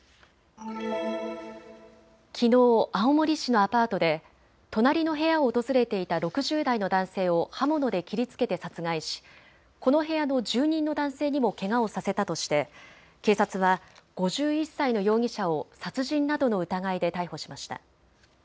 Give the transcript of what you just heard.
きのう、青森市のアパートで隣の部屋を訪れていた６０代の男性を刃物で切りつけて殺害しこの部屋の住人の男性にもけがをさせたとして警察は５１歳の容疑者を殺人などの疑いで逮捕しました。